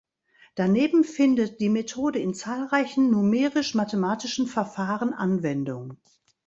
Daneben findet die Methode in zahlreichen numerisch-mathematischen Verfahren Anwendung.